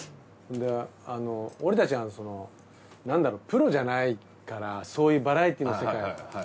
で俺たちはなんだろうプロじゃないからそういうバラエティーの世界。